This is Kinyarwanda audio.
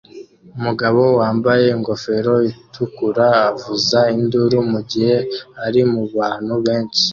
Umugabo wambaye ingofero itukura avuza induru mugihe ari mubantu benshi